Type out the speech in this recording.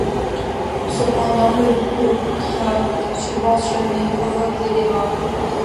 Cependant, le recours aux contrats subventionnés provoque des débats.